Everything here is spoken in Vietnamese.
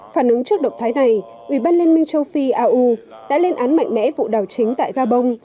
phản ứng trước động thái này ubnd châu phi au đã lên án mạnh mẽ vụ đảo chính tại gabon